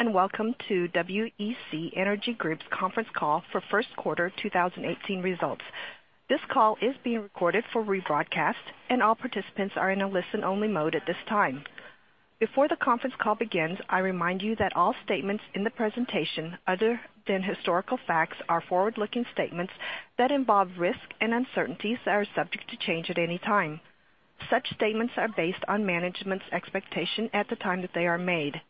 Welcome to WEC Energy Group's conference call for first quarter 2018 results. This call is being recorded for rebroadcast, and all participants are in a listen-only mode at this time. Before the conference call begins, I remind you that all statements in the presentation other than historical facts are forward-looking statements that involve risk and uncertainties that are subject to change at any time. Such statements are based on management's expectation at the time that they are made.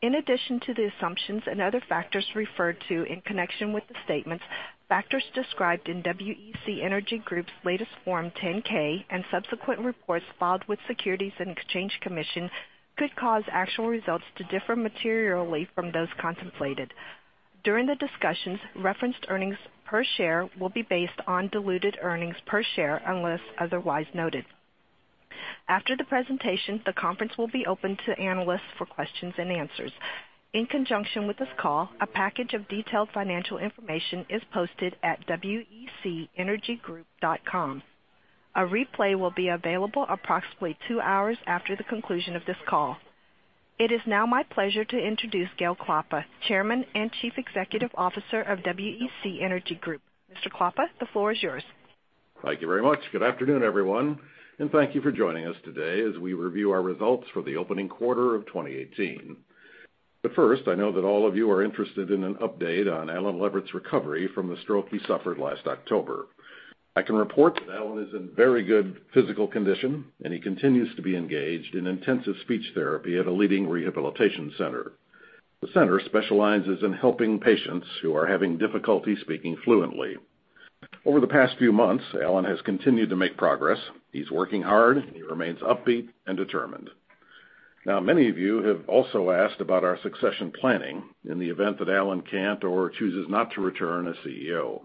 In addition to the assumptions and other factors referred to in connection with the statements, factors described in WEC Energy Group's latest Form 10-K and subsequent reports filed with Securities and Exchange Commission could cause actual results to differ materially from those contemplated. During the discussions, referenced earnings per share will be based on diluted earnings per share unless otherwise noted. After the presentation, the conference will be open to analysts for questions and answers. In conjunction with this call, a package of detailed financial information is posted at wecenergygroup.com. A replay will be available approximately two hours after the conclusion of this call. It is now my pleasure to introduce Gale Klappa, Chairman and Chief Executive Officer of WEC Energy Group. Mr. Klappa, the floor is yours. Thank you very much. Good afternoon, everyone, and thank you for joining us today as we review our results for the opening quarter of 2018. First, I know that all of you are interested in an update on Allen Leverett's recovery from the stroke he suffered last October. I can report that Allen is in very good physical condition, and he continues to be engaged in intensive speech therapy at a leading rehabilitation center. The center specializes in helping patients who are having difficulty speaking fluently. Over the past few months, Allen has continued to make progress. He's working hard. He remains upbeat and determined. Now, many of you have also asked about our succession planning in the event that Allen can't or chooses not to return as CEO.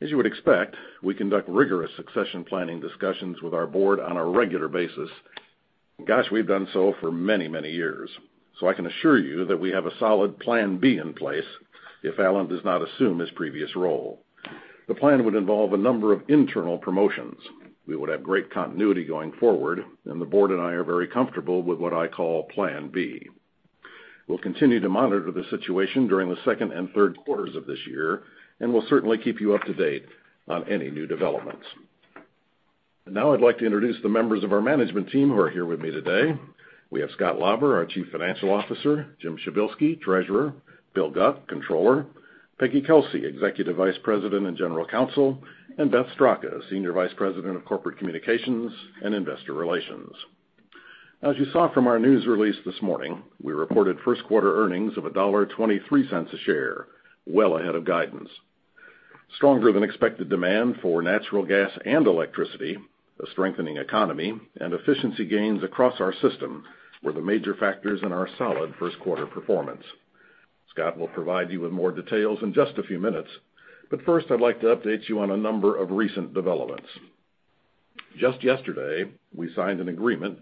As you would expect, we conduct rigorous succession planning discussions with our board on a regular basis. Gosh, we've done so for many, many years, so I can assure you that we have a solid plan B in place if Allen does not assume his previous role. The plan would involve a number of internal promotions. We would have great continuity going forward, and the board and I are very comfortable with what I call plan B. We'll continue to monitor the situation during the second and third quarters of this year, and we'll certainly keep you up to date on any new developments. Now I'd like to introduce the members of our management team who are here with me today. We have Scott Lauber, our Chief Financial Officer; Jim Przybylski, Treasurer; Bill Guc, Controller; Peggy Kelsey, Executive Vice President and General Counsel; and Beth Straka, Senior Vice President of Corporate Communications and Investor Relations. As you saw from our news release this morning, we reported first quarter earnings of $1.23 a share, well ahead of guidance. Stronger than expected demand for natural gas and electricity, a strengthening economy, and efficiency gains across our system were the major factors in our solid first quarter performance. Scott will provide you with more details in just a few minutes, but first, I'd like to update you on a number of recent developments. Just yesterday, we signed an agreement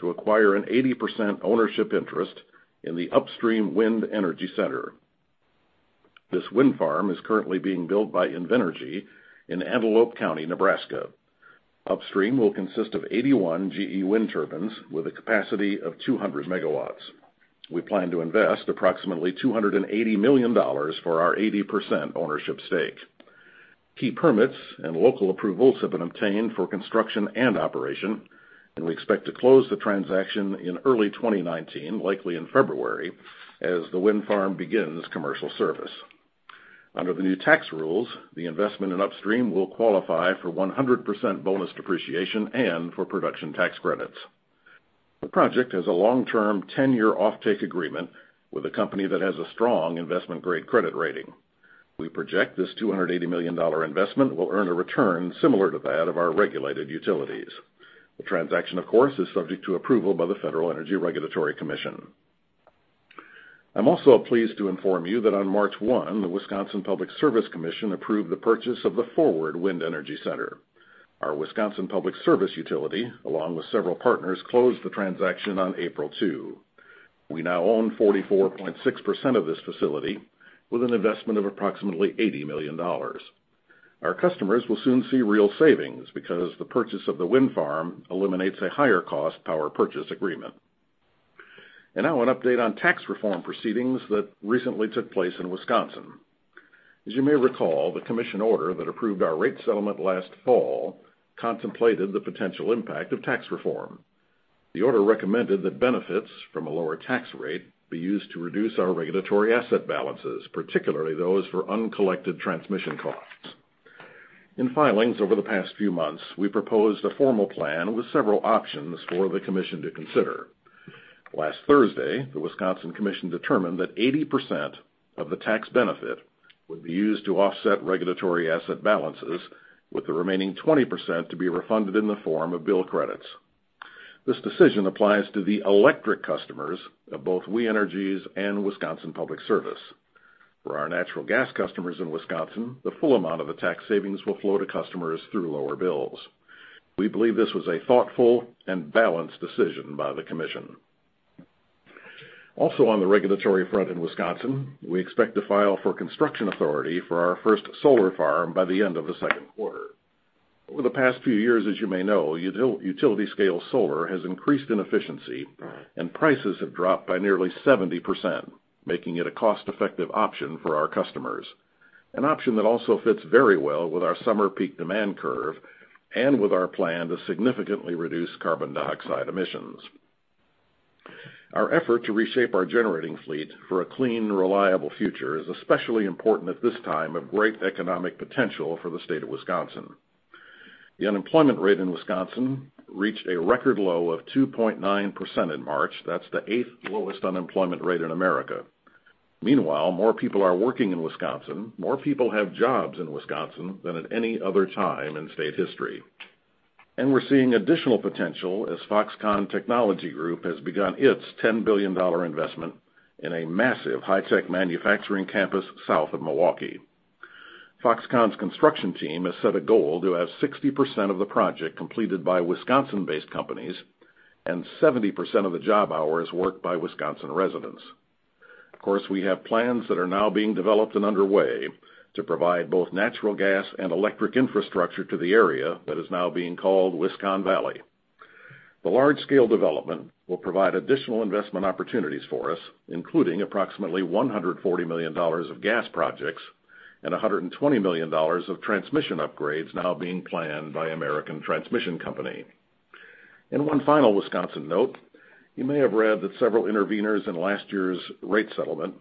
to acquire an 80% ownership interest in the Upstream Wind Energy Center. This wind farm is currently being built by Invenergy in Antelope County, Nebraska. Upstream will consist of 81 GE wind turbines with a capacity of 200 megawatts. We plan to invest approximately $280 million for our 80% ownership stake. Key permits and local approvals have been obtained for construction and operation. We expect to close the transaction in early 2019, likely in February, as the wind farm begins commercial service. Under the new tax rules, the investment in Upstream will qualify for 100% bonus depreciation and for production tax credits. The project has a long-term, 10-year offtake agreement with a company that has a strong investment-grade credit rating. We project this $280 million investment will earn a return similar to that of our regulated utilities. The transaction, of course, is subject to approval by the Federal Energy Regulatory Commission. I'm also pleased to inform you that on March 1, the Public Service Commission of Wisconsin approved the purchase of the Forward Wind Energy Center. Our Wisconsin Public Service utility, along with several partners, closed the transaction on April 2. We now own 44.6% of this facility with an investment of approximately $80 million. Our customers will soon see real savings because the purchase of the wind farm eliminates a higher-cost power purchase agreement. Now an update on tax reform proceedings that recently took place in Wisconsin. As you may recall, the commission order that approved our rate settlement last fall contemplated the potential impact of tax reform. The order recommended that benefits from a lower tax rate be used to reduce our regulatory asset balances, particularly those for uncollected transmission costs. In filings over the past few months, we proposed a formal plan with several options for the commission to consider. Last Thursday, the Wisconsin Commission determined that 80% of the tax benefit would be used to offset regulatory asset balances, with the remaining 20% to be refunded in the form of bill credits. This decision applies to the electric customers of both We Energies and Wisconsin Public Service. For our natural gas customers in Wisconsin, the full amount of the tax savings will flow to customers through lower bills. We believe this was a thoughtful and balanced decision by the commission. Also on the regulatory front in Wisconsin, we expect to file for construction authority for our first solar farm by the end of the second quarter. Over the past few years, as you may know, utility-scale solar has increased in efficiency and prices have dropped by nearly 70%, making it a cost-effective option for our customers. An option that also fits very well with our summer peak demand curve and with our plan to significantly reduce carbon dioxide emissions. Our effort to reshape our generating fleet for a clean and reliable future is especially important at this time of great economic potential for the state of Wisconsin. The unemployment rate in Wisconsin reached a record low of 2.9% in March. That's the eighth lowest unemployment rate in America. Meanwhile, more people are working in Wisconsin, more people have jobs in Wisconsin than at any other time in state history. We're seeing additional potential as Foxconn Technology Group has begun its $10 billion investment in a massive high-tech manufacturing campus south of Milwaukee. Foxconn's construction team has set a goal to have 60% of the project completed by Wisconsin-based companies and 70% of the job hours worked by Wisconsin residents. Of course, we have plans that are now being developed and underway to provide both natural gas and electric infrastructure to the area that is now being called Wisconn Valley. The large-scale development will provide additional investment opportunities for us, including approximately $140 million of gas projects and $120 million of transmission upgrades now being planned by American Transmission Company. One final Wisconsin note, you may have read that several interveners in last year's rate settlement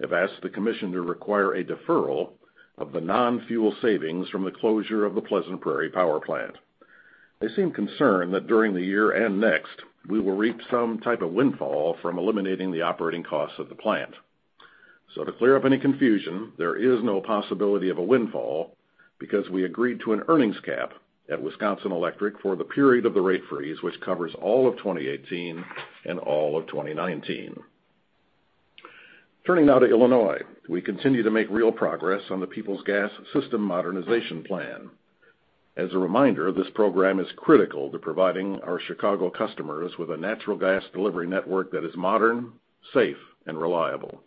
have asked the commission to require a deferral of the non-fuel savings from the closure of the Pleasant Prairie Power Plant. They seem concerned that during the year and next, we will reap some type of windfall from eliminating the operating costs of the plant. To clear up any confusion, there is no possibility of a windfall because we agreed to an earnings cap at Wisconsin Electric for the period of the rate freeze, which covers all of 2018 and all of 2019. Turning now to Illinois. We continue to make real progress on the Peoples Gas System Modernization plan. As a reminder, this program is critical to providing our Chicago customers with a natural gas delivery network that is modern, safe and reliable.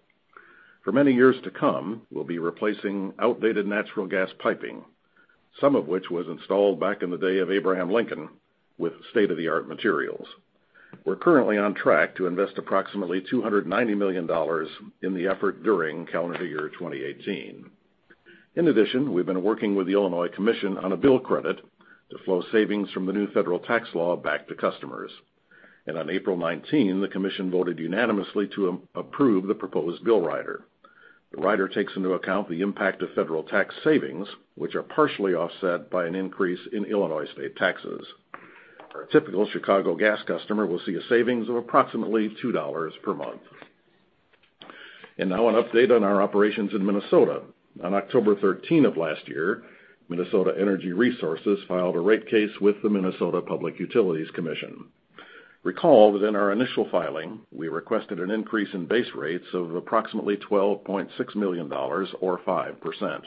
For many years to come, we'll be replacing outdated natural gas piping, some of which was installed back in the day of Abraham Lincoln, with state-of-the-art materials. We're currently on track to invest approximately $290 million in the effort during calendar year 2018. In addition, we've been working with the Illinois Commission on a bill credit to flow savings from the new federal tax law back to customers. On April 19, the commission voted unanimously to approve the proposed bill rider. The rider takes into account the impact of federal tax savings, which are partially offset by an increase in Illinois state taxes. Our typical Chicago Gas customer will see a savings of approximately $2 per month. Now an update on our operations in Minnesota. On October 13 of last year, Minnesota Energy Resources filed a rate case with the Minnesota Public Utilities Commission. Recall that in our initial filing, we requested an increase in base rates of approximately $12.6 million, or 5%.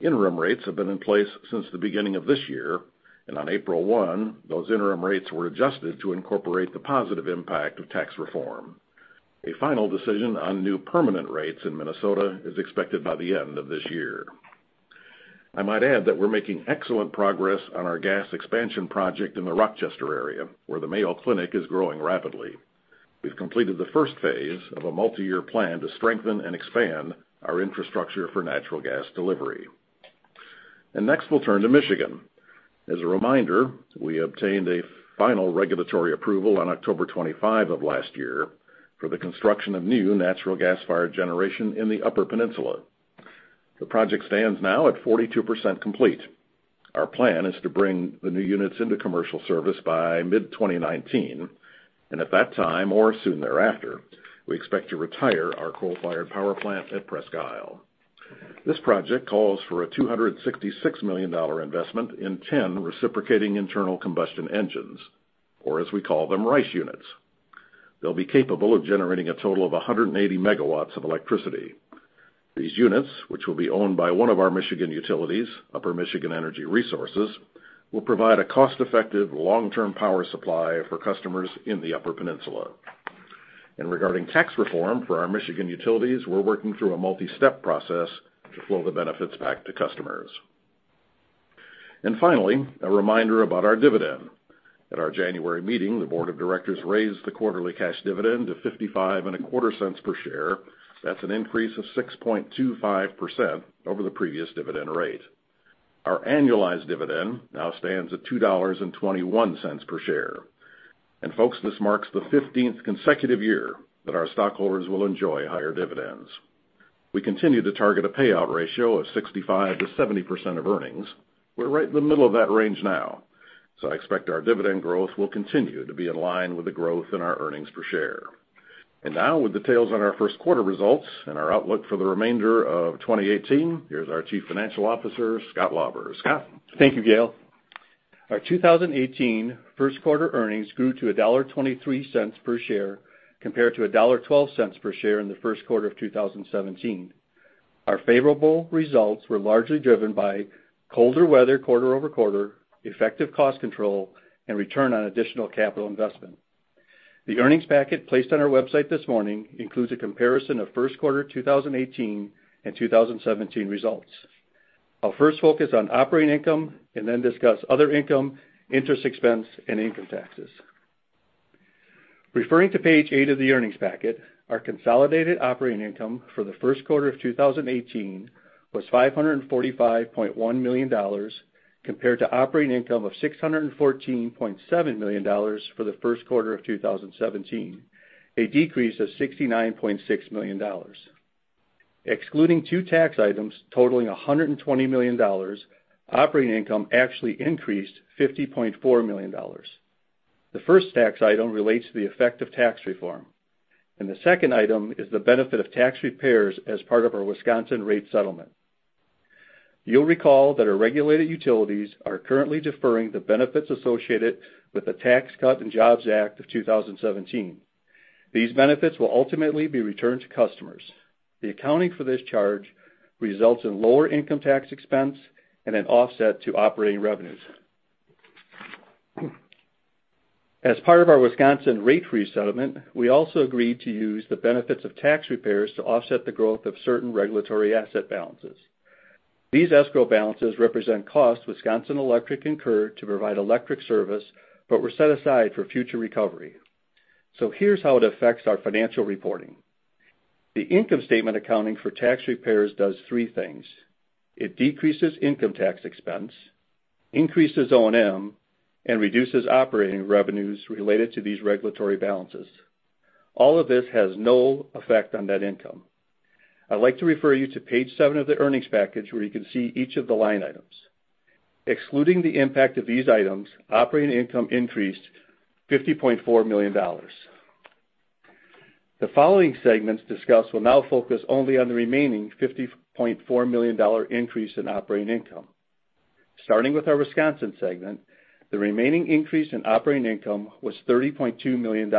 Interim rates have been in place since the beginning of this year, and on April 1, those interim rates were adjusted to incorporate the positive impact of tax reform. A final decision on new permanent rates in Minnesota is expected by the end of this year. I might add that we're making excellent progress on our gas expansion project in the Rochester area, where the Mayo Clinic is growing rapidly. We've completed the phase 1 of a multi-year plan to strengthen and expand our infrastructure for natural gas delivery. Next, we'll turn to Michigan. As a reminder, we obtained a final regulatory approval on October 25 of last year for the construction of new natural gas-fired generation in the Upper Peninsula. The project stands now at 42% complete. Our plan is to bring the new units into commercial service by mid-2019, and at that time, or soon thereafter, we expect to retire our coal-fired power plant at Presque Isle. This project calls for a $266 million investment in 10 reciprocating internal combustion engines, or as we call them, RICE units. They'll be capable of generating a total of 180 MW of electricity. These units, which will be owned by one of our Michigan utilities, Upper Michigan Energy Resources, will provide a cost-effective, long-term power supply for customers in the Upper Peninsula. Regarding tax reform for our Michigan utilities, we're working through a multi-step process to flow the benefits back to customers. Finally, a reminder about our dividend. At our January meeting, the board of directors raised the quarterly cash dividend to $0.5525 per share. That's an increase of 6.25% over the previous dividend rate. Our annualized dividend now stands at $2.21 per share. Folks, this marks the 15th consecutive year that our stockholders will enjoy higher dividends. We continue to target a payout ratio of 65%-70% of earnings. We're right in the middle of that range now. I expect our dividend growth will continue to be in line with the growth in our earnings per share. Now with details on our first quarter results and our outlook for the remainder of 2018, here's our Chief Financial Officer, Scott Lauber. Scott? Thank you, Gale. Our 2018 first quarter earnings grew to $1.23 per share compared to $1.12 per share in the first quarter of 2017. Our favorable results were largely driven by colder weather quarter-over-quarter, effective cost control, and return on additional capital investment. The earnings packet placed on our website this morning includes a comparison of first quarter 2018 and 2017 results. I'll first focus on operating income and then discuss other income, interest expense and income taxes. Referring to page eight of the earnings packet, our consolidated operating income for the first quarter of 2018 was $545.1 million, compared to operating income of $614.7 million for the first quarter of 2017, a decrease of $69.6 million. Excluding two tax items totaling $120 million, operating income actually increased $50.4 million. The first tax item relates to the effective tax reform, the second item is the benefit of tax repairs as part of our Wisconsin rate settlement. You'll recall that our regulated utilities are currently deferring the benefits associated with the Tax Cuts and Jobs Act of 2017. These benefits will ultimately be returned to customers. The accounting for this charge results in lower income tax expense and an offset to operating revenues. As part of our Wisconsin rate settlement, we also agreed to use the benefits of tax repairs to offset the growth of certain regulatory asset balances. These escrow balances represent costs Wisconsin Electric incurred to provide electric service, but were set aside for future recovery. Here's how it affects our financial reporting. The income statement accounting for tax repairs does three things: It decreases income tax expense, increases O&M, and reduces operating revenues related to these regulatory balances. All of this has no effect on net income. I'd like to refer you to page seven of the earnings package, where you can see each of the line items. Excluding the impact of these items, operating income increased $50.4 million. The following segments discussed will now focus only on the remaining $50.4 million increase in operating income. Starting with our Wisconsin segment, the remaining increase in operating income was $30.2 million.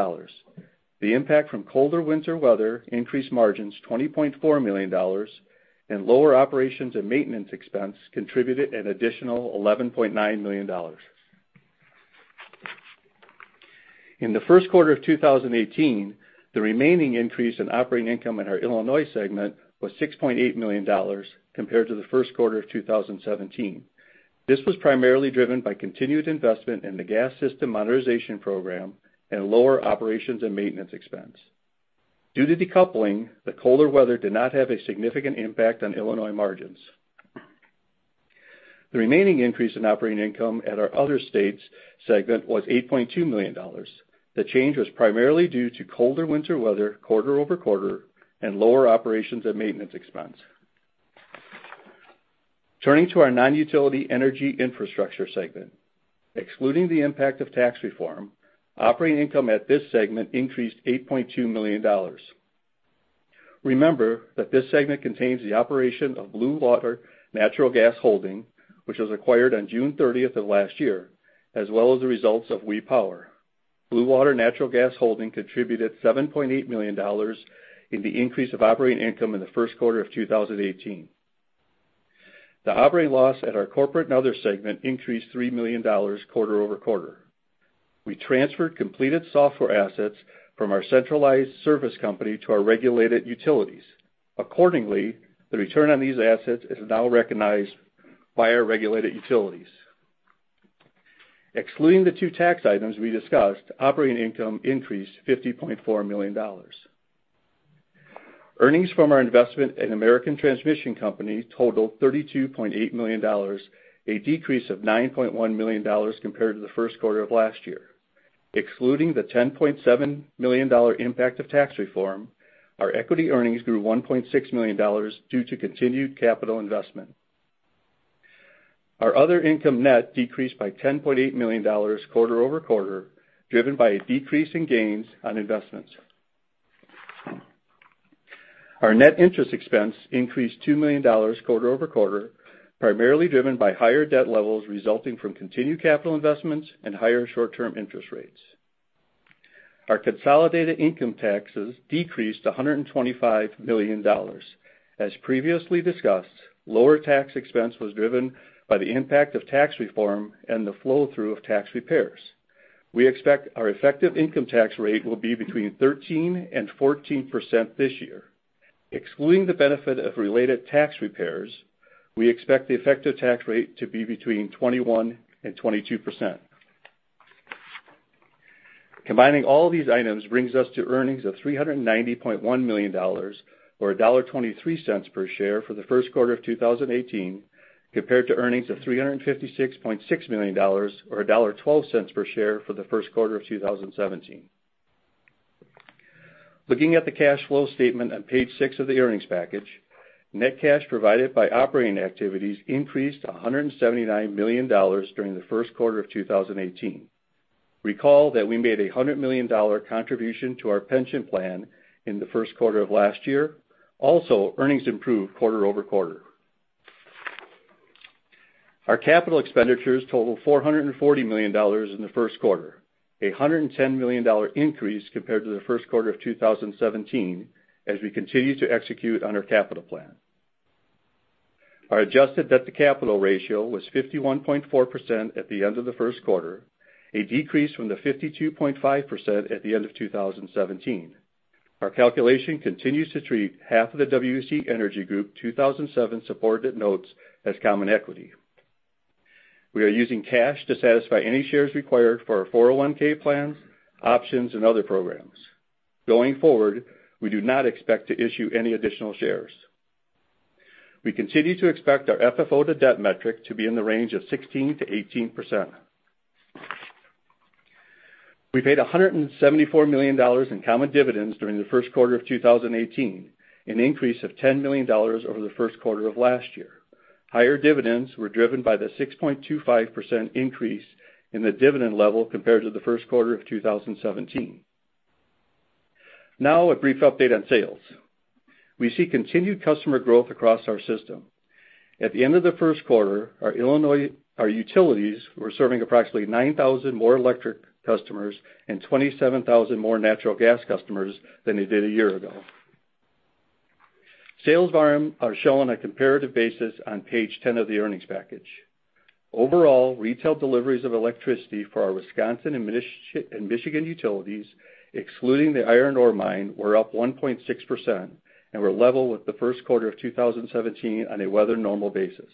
The impact from colder winter weather increased margins $20.4 million, and lower operations and maintenance expense contributed an additional $11.9 million. In the first quarter of 2018, the remaining increase in operating income in our Illinois segment was $6.8 million compared to the first quarter of 2017. This was primarily driven by continued investment in the gas system modernization program and lower operations and maintenance expense. Due to decoupling, the colder weather did not have a significant impact on Illinois margins. The remaining increase in operating income at our other states segment was $8.2 million. The change was primarily due to colder winter weather quarter-over-quarter and lower operations and maintenance expense. Turning to our non-utility energy infrastructure segment. Excluding the impact of tax reform, operating income at this segment increased $8.2 million. Remember that this segment contains the operation of Bluewater Natural Gas Holding, which was acquired on June 30th of last year, as well as the results of W.E. Power. Bluewater Natural Gas Holding contributed $7.8 million in the increase of operating income in the first quarter of 2018. The operating loss at our corporate and other segment increased $3 million quarter-over-quarter. We transferred completed software assets from our centralized service company to our regulated utilities. Accordingly, the return on these assets is now recognized by our regulated utilities. Excluding the two tax items we discussed, operating income increased $50.4 million. Earnings from our investment in American Transmission Company totaled $32.8 million, a decrease of $9.1 million compared to the first quarter of last year. Excluding the $10.7 million impact of tax reform, our equity earnings grew $1.6 million due to continued capital investment. Our other income net decreased by $10.8 million quarter-over-quarter, driven by a decrease in gains on investments. Our net interest expense increased $2 million quarter-over-quarter, primarily driven by higher debt levels resulting from continued capital investments and higher short-term interest rates. Our consolidated income taxes decreased to $125 million. As previously discussed, lower tax expense was driven by the impact of tax reform and the flow-through of tax repairs. We expect our effective income tax rate will be between 13% and 14% this year. Excluding the benefit of related tax repairs, we expect the effective tax rate to be between 21% and 22%. Combining all of these items brings us to earnings of $390.1 million, or $1.23 per share for the first quarter of 2018, compared to earnings of $356.6 million or $1.12 per share for the first quarter of 2017. Looking at the cash flow statement on page six of the earnings package, net cash provided by operating activities increased to $179 million during the first quarter of 2018. Recall that we made a $100 million contribution to our pension plan in the first quarter of last year. Also, earnings improved quarter-over-quarter. Our capital expenditures totaled $440 million in the first quarter, a $110 million increase compared to the first quarter of 2017 as we continue to execute on our capital plan. Our adjusted debt-to-capital ratio was 51.4% at the end of the first quarter, a decrease from the 52.5% at the end of 2017. Our calculation continues to treat half of the WEC Energy Group 2007 Junior Subordinated Notes as common equity. We are using cash to satisfy any shares required for our 401 plans, options, and other programs. Going forward, we do not expect to issue any additional shares. We continue to expect our FFO to debt metric to be in the range of 16%-18%. We paid $174 million in common dividends during the first quarter of 2018, an increase of $10 million over the first quarter of last year. Higher dividends were driven by the 6.25% increase in the dividend level compared to the first quarter of 2017. Now, a brief update on sales. We see continued customer growth across our system. At the end of the first quarter, our utilities were serving approximately 9,000 more electric customers and 27,000 more natural gas customers than they did a year ago. Sales volume are shown on a comparative basis on page 10 of the earnings package. Overall, retail deliveries of electricity for our Wisconsin and Michigan utilities, excluding the iron ore mine, were up 1.6% and were level with the first quarter of 2017 on a weather normal basis.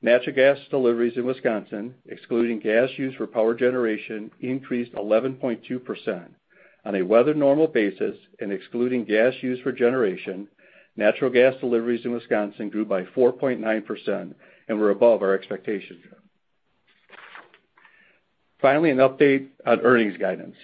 Natural gas deliveries in Wisconsin, excluding gas used for power generation, increased 11.2%. On a weather normal basis and excluding gas used for generation, natural gas deliveries in Wisconsin grew by 4.9% and were above our expectations. Finally, an update on earnings guidance.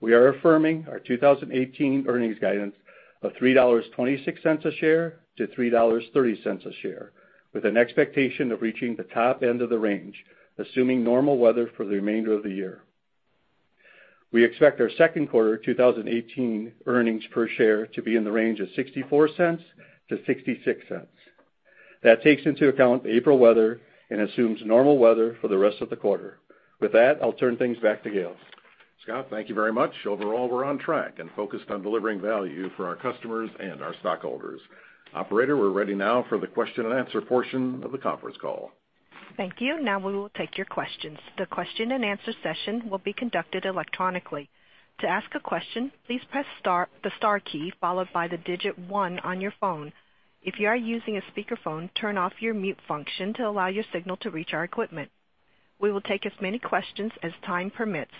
We are affirming our 2018 earnings guidance of $3.26 a share-$3.30 a share, with an expectation of reaching the top end of the range, assuming normal weather for the remainder of the year. We expect our second quarter 2018 earnings per share to be in the range of $0.64-$0.66. That takes into account the April weather and assumes normal weather for the rest of the quarter. With that, I'll turn things back to Gale. Scott, thank you very much. Overall, we're on track and focused on delivering value for our customers and our stockholders. Operator, we're ready now for the question and answer portion of the conference call. Thank you. We will take your questions. The question and answer session will be conducted electronically. To ask a question, please press the star key followed by the digit one on your phone. If you are using a speakerphone, turn off your mute function to allow your signal to reach our equipment. We will take as many questions as time permits.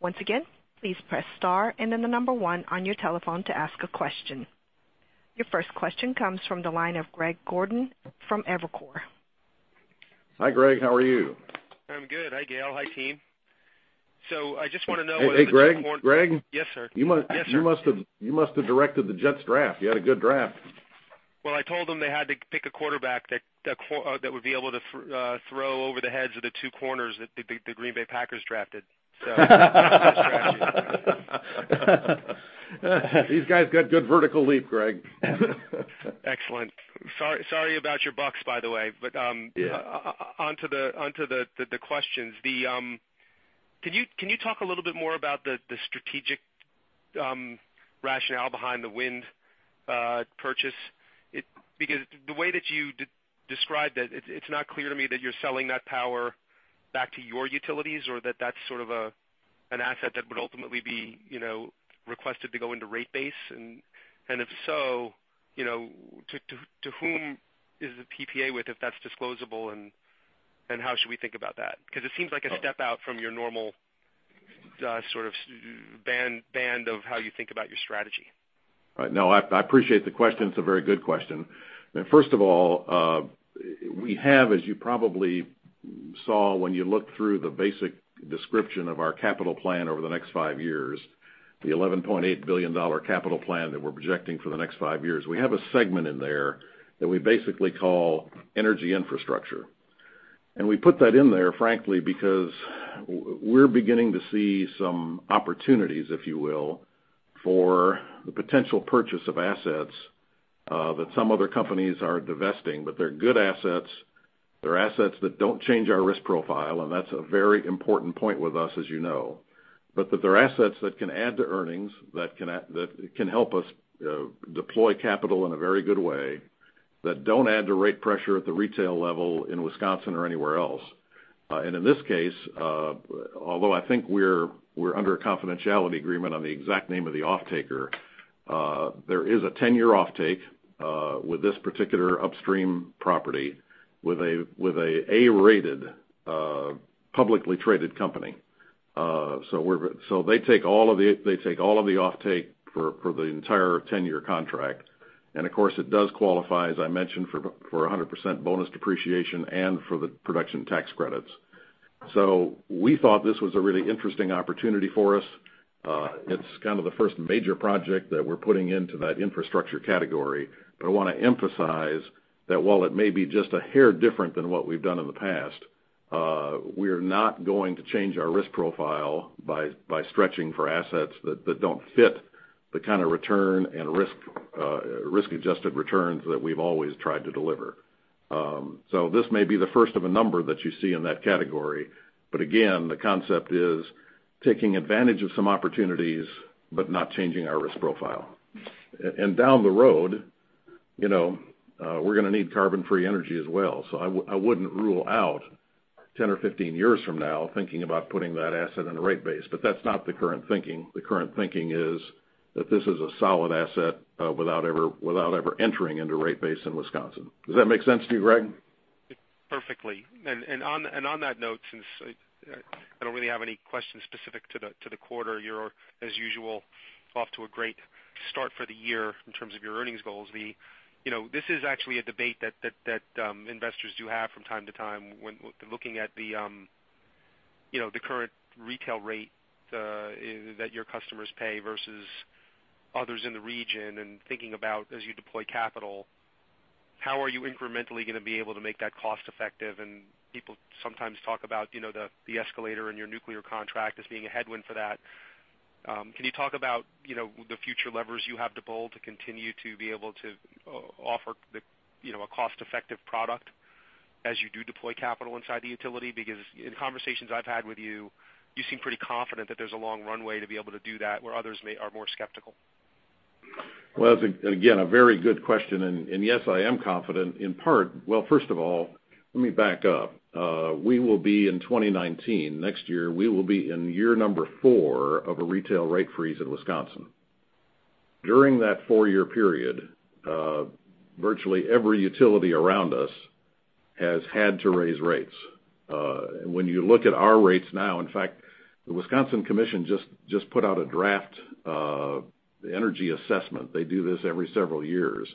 Once again, please press star and then the number one on your telephone to ask a question. Your first question comes from the line of Greg Gordon from Evercore. Hi, Greg. How are you? I'm good. Hi, Gale. Hi, team. I just want to know. Hey, Greg? Yes, sir. You must have directed the Jets draft. You had a good draft. Well, I told them they had to pick a quarterback that would be able to throw over the heads of the two corners that the Green Bay Packers drafted. These guys got good vertical leap, Greg. Excellent. Sorry about your Bucks, by the way. Yeah. On to the questions. Can you talk a little bit more about the strategic rationale behind the wind purchase? The way that you described it's not clear to me that you're selling that power back to your utilities or that that's sort of an asset that would ultimately be requested to go into rate base. If so, to whom is the PPA with, if that's disclosable, and how should we think about that? It seems like a step out from your normal sort of band of how you think about your strategy. Right. No, I appreciate the question. It's a very good question. First of all, we have, as you probably saw when you looked through the basic description of our capital plan over the next five years, the $11.8 billion capital plan that we're projecting for the next five years. We have a segment in there that we basically call energy infrastructure. We put that in there, frankly, because we're beginning to see some opportunities, if you will, for the potential purchase of assets that some other companies are divesting. They're good assets. They're assets that don't change our risk profile, and that's a very important point with us, as you know. That they're assets that can add to earnings, that can help us deploy capital in a very good way, that don't add to rate pressure at the retail level in Wisconsin or anywhere else. In this case, although I think we're under a confidentiality agreement on the exact name of the offtaker, there is a 10-year offtake with this particular upstream property with an A-rated publicly traded company. They take all of the offtake for the entire 10-year contract. Of course, it does qualify, as I mentioned, for 100% bonus depreciation and for the production tax credits. We thought this was a really interesting opportunity for us. It's kind of the first major project that we're putting into that infrastructure category. I want to emphasize that while it may be just a hair different than what we've done in the past, we're not going to change our risk profile by stretching for assets that don't fit the kind of return and risk-adjusted returns that we've always tried to deliver. This may be the first of a number that you see in that category. Again, the concept is taking advantage of some opportunities, but not changing our risk profile. Down the road, we're going to need carbon-free energy as well. I wouldn't rule out 10 or 15 years from now thinking about putting that asset in a rate base, but that's not the current thinking. The current thinking is that this is a solid asset without ever entering into rate base in Wisconsin. Does that make sense to you, Greg? Perfectly. On that note, since I don't really have any questions specific to the quarter, you're, as usual, off to a great start for the year in terms of your earnings goals. This is actually a debate that investors do have from time to time when looking at the current retail rate that your customers pay versus others in the region, and thinking about as you deploy capital, how are you incrementally going to be able to make that cost effective? People sometimes talk about the escalator in your nuclear contract as being a headwind for that. Can you talk about the future levers you have to pull to continue to be able to offer a cost-effective product as you do deploy capital inside the utility? Because in conversations I've had with you seem pretty confident that there's a long runway to be able to do that, where others are more skeptical. Well, that's, again, a very good question. Yes, I am confident. First of all, let me back up. We will be in 2019. Next year, we will be in year number 4 of a retail rate freeze in Wisconsin. During that 4-year period, virtually every utility around us has had to raise rates. When you look at our rates now, in fact, the Wisconsin Commission just put out a draft energy assessment. They do this every several years.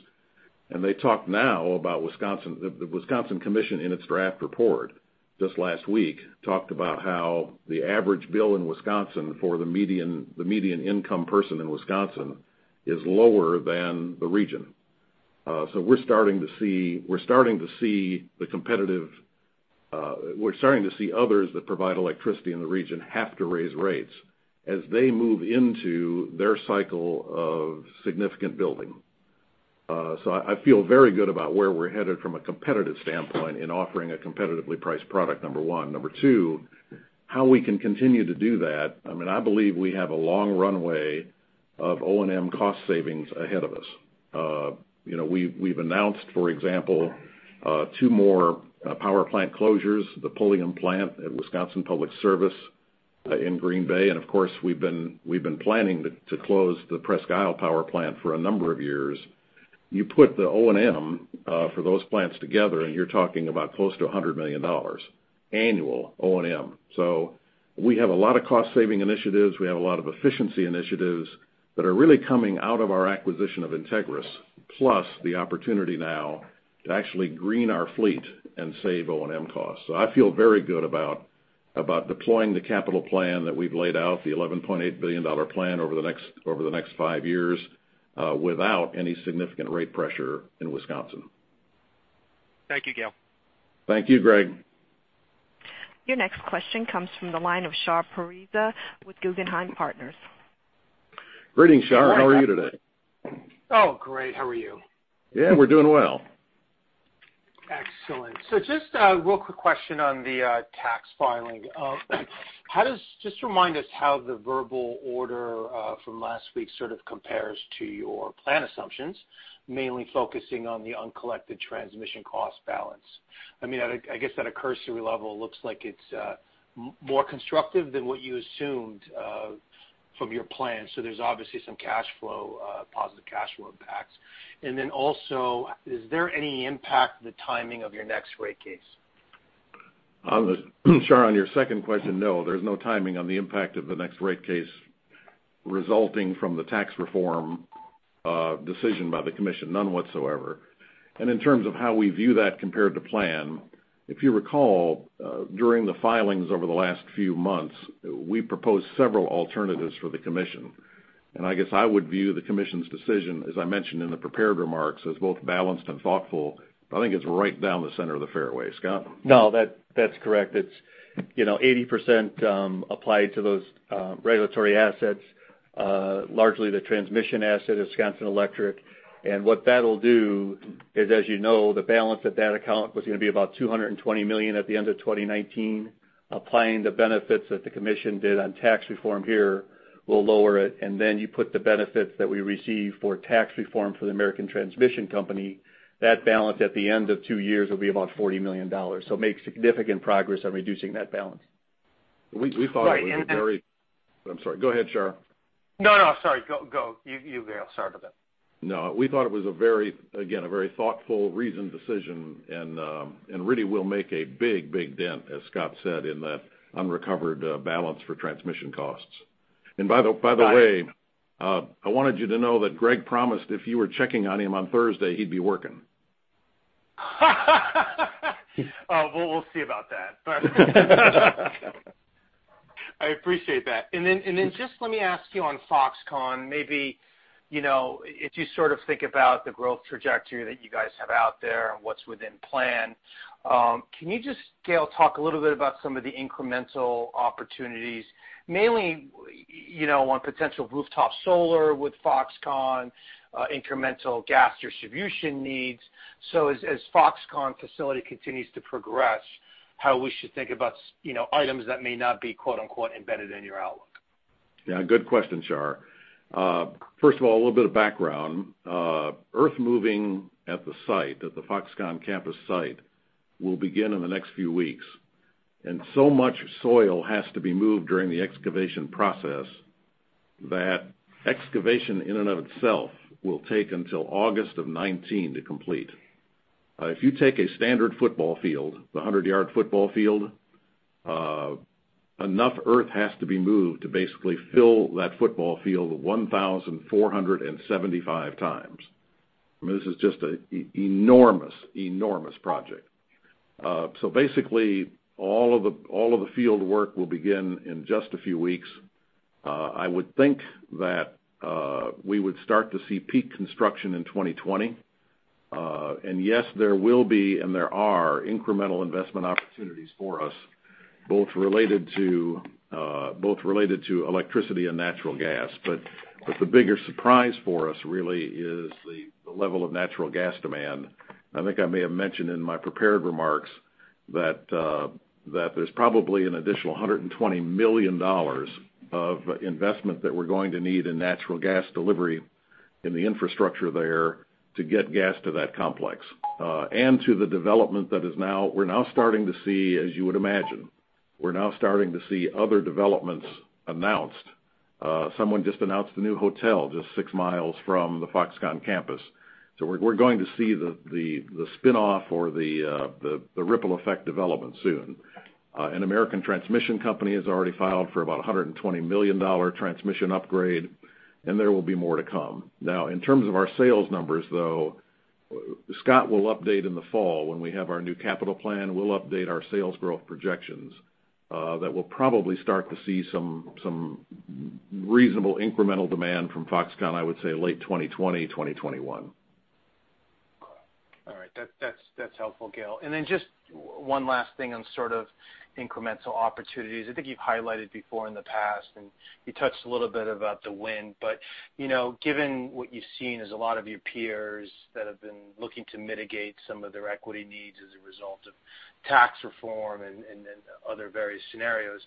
The Wisconsin Commission, in its draft report just last week, talked about how the average bill in Wisconsin for the median income person in Wisconsin is lower than the region. We're starting to see others that provide electricity in the region have to raise rates as they move into their cycle of significant building. I feel very good about where we're headed from a competitive standpoint in offering a competitively priced product, number 1. Number 2, how we can continue to do that, I believe we have a long runway of O&M cost savings ahead of us. We've announced, for example, two more power plant closures, the Pulliam plant at Wisconsin Public Service in Green Bay, and of course, we've been planning to close the Presque Isle power plant for a number of years. You put the O&M for those plants together, and you're talking about close to $100 million annual O&M. We have a lot of cost-saving initiatives. We have a lot of efficiency initiatives that are really coming out of our acquisition of Integrys, plus the opportunity now to actually green our fleet and save O&M costs. I feel very good about deploying the capital plan that we've laid out, the $11.8 billion plan over the next 5 years, without any significant rate pressure in Wisconsin. Thank you, Gale. Thank you, Greg. Your next question comes from the line of Shar Pourreza with Guggenheim Partners. Greetings, Shar. How are you today? Oh, great. How are you? Yeah, we're doing well. Excellent. Just a real quick question on the tax filing. Just remind us how the verbal order from last week sort of compares to your plan assumptions, mainly focusing on the uncollected transmission cost balance. I guess at a cursory level, it looks like it's more constructive than what you assumed from your plan. There's obviously some positive cash flow impacts. Is there any impact the timing of your next rate case? Shar, on your second question, no. There's no timing on the impact of the next rate case resulting from the tax reform decision by the commission. None whatsoever. In terms of how we view that compared to plan, if you recall, during the filings over the last few months, we proposed several alternatives for the commission. I guess I would view the commission's decision, as I mentioned in the prepared remarks, as both balanced and thoughtful, but I think it's right down the center of the fairway. Scott? No, that's correct. It's 80% applied to those regulatory assets, largely the transmission asset at Wisconsin Electric. What that'll do is, as you know, the balance of that account was going to be about $220 million at the end of 2019. Applying the benefits that the commission did on tax reform here will lower it. Then you put the benefits that we receive for tax reform for the American Transmission Company, that balance at the end of two years will be about $40 million. It makes significant progress on reducing that balance. We thought it was a. Right. I'm sorry. Go ahead, Shar. No, sorry. Go. You go. Sorry about that. No. We thought it was, again, a very thoughtful, reasoned decision, really will make a big dent, as Scott said, in the unrecovered balance for transmission costs. By the way, I wanted you to know that Greg promised if you were checking on him on Thursday, he'd be working. We'll see about that. I appreciate that. Just let me ask you on Foxconn, maybe, if you sort of think about the growth trajectory that you guys have out there and what's within plan, can you just, Gale, talk a little bit about some of the incremental opportunities, mainly On potential rooftop solar with Foxconn, incremental gas distribution needs. As Foxconn facility continues to progress, how we should think about items that may not be "embedded" in your outlook? Yeah, good question, Shar. First of all, a little bit of background. Earth moving at the site, at the Foxconn campus site, will begin in the next few weeks. Much soil has to be moved during the excavation process that excavation in and of itself will take until August of 2019 to complete. If you take a standard football field, the 100-yard football field, enough earth has to be moved to basically fill that football field 1,475 times. I mean, this is just an enormous project. Basically, all of the field work will begin in just a few weeks. I would think that we would start to see peak construction in 2020. Yes, there will be, and there are incremental investment opportunities for us, both related to electricity and natural gas. The bigger surprise for us really is the level of natural gas demand. I think I may have mentioned in my prepared remarks that there's probably an additional $120 million of investment that we're going to need in natural gas delivery in the infrastructure there to get gas to that complex. To the development that we're now starting to see, as you would imagine, we're now starting to see other developments announced. Someone just announced a new hotel just six miles from the Foxconn campus. We're going to see the spinoff or the ripple effect development soon. An American Transmission Company has already filed for about $120 million transmission upgrade, there will be more to come. In terms of our sales numbers, though, Scott will update in the fall, when we have our new capital plan. We'll update our sales growth projections that we'll probably start to see some reasonable incremental demand from Foxconn, I would say late 2020, 2021. All right. That's helpful, Gale. Just one last thing on sort of incremental opportunities. I think you've highlighted before in the past, and you touched a little bit about the wind, but given what you've seen as a lot of your peers that have been looking to mitigate some of their equity needs as a result of tax reform and then other various scenarios,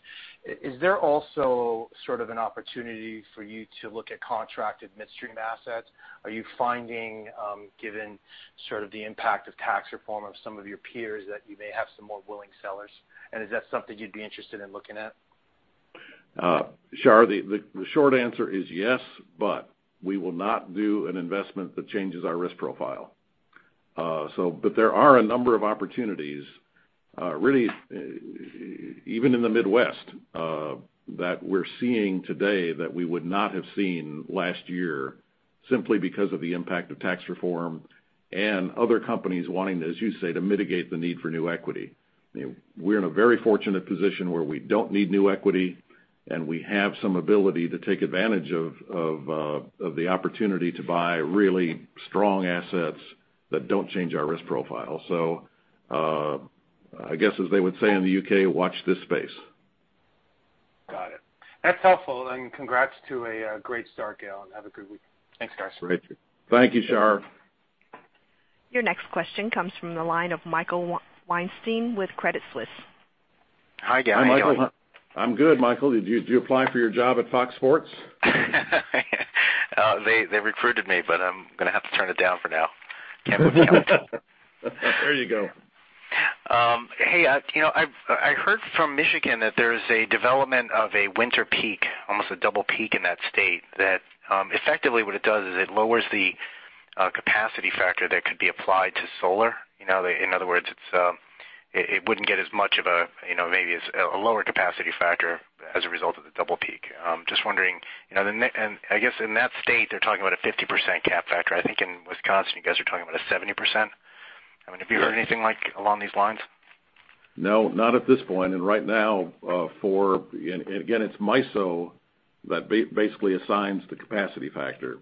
is there also sort of an opportunity for you to look at contracted midstream assets? Are you finding, given sort of the impact of tax reform of some of your peers, that you may have some more willing sellers? Is that something you'd be interested in looking at? Shar, the short answer is yes, we will not do an investment that changes our risk profile. There are a number of opportunities really even in the Midwest that we're seeing today that we would not have seen last year, simply because of the impact of tax reform and other companies wanting, as you say, to mitigate the need for new equity. We're in a very fortunate position where we don't need new equity, and we have some ability to take advantage of the opportunity to buy really strong assets that don't change our risk profile. I guess as they would say in the U.K., watch this space. Got it. That's helpful, and congrats to a great start, Gale, and have a good week. Thanks, guys. Great. Thank you, Shar. Your next question comes from the line of Michael Weinstein with Credit Suisse. Hi, Gale. How are you? Hi, Michael. I'm good, Michael. Did you apply for your job at Fox Sports? They recruited me, I'm going to have to turn it down for now. Can't move to Wisconsin. There you go. Hey, I heard from Michigan that there's a development of a winter peak, almost a double peak in that state, that effectively what it does is it lowers the capacity factor that could be applied to solar. In other words, it wouldn't get as much of maybe it's a lower capacity factor as a result of the double peak. I'm just wondering, I guess in that state, they're talking about a 50% cap factor. I think in Wisconsin, you guys are talking about a 70%. I mean, have you heard anything like along these lines? No, not at this point. Right now, and again, it's MISO that basically assigns the capacity factor.